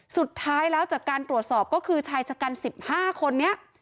สุดท้ายแล้วจากการตรวจสอบก็คือชายชะกัน๑๕คนนี้